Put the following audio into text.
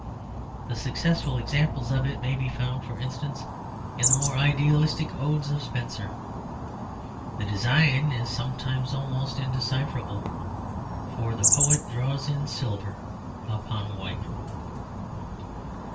The successful examples of it may be found, for instance, in the more idealistic odes of Spenser. The design is sometimes almost indecipherable, for the poet draws in silver upon white.